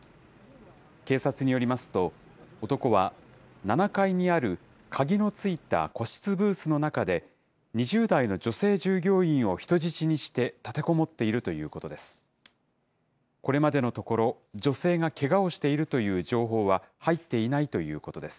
警察によりますと、男は７階にある鍵の付いた個室ブースの中で、２０代の女性従業員を人質にして立てこもっているということです。